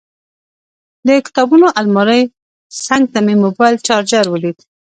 د کتابونو المارۍ څنګ ته مې موبایل چارجر ولید.